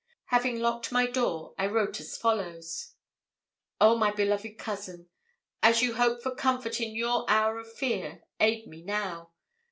Having locked my door, I wrote as follows: 'Oh, my beloved cousin, as you hope for comfort in your hour of fear, aid me now.